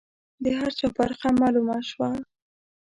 د هر چا برخه معلومه شوه.